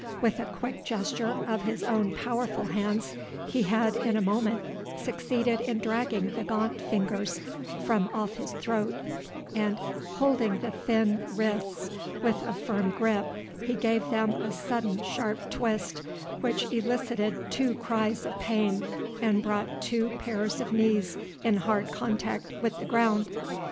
With a quick gesture of his own powerful hands, he had in a moment succeeded in dragging the gaunt fingers from off his throat, and, holding the thin wrists with a firm grip, he gave them a sudden sharp twist, which elicited two cries of pain and brought two pairs of knees in hard contact with the ground.